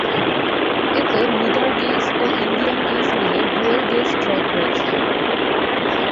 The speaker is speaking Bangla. এতে মিটার-গেজ ও ইন্ডিয়ান-গেজ মিলে ডুয়েল-গেজ ট্র্যাক রয়েছে।